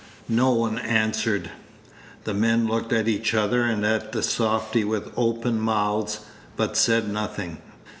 No one answered. The men looked at each other and at the softy with open mouths, but said nothing.